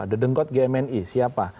the denggot g mni siapa